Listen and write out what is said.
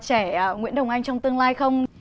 trẻ nguyễn đồng anh trong tương lai không